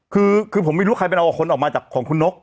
คือผมไม่รู้ใครไปเอาคนออกมาจากของคุณนก